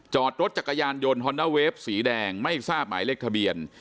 จอดรถจักรยานยนต์ฮอนด้าเวฟสีแดงไม่ทราบหมายเลขทะเบียน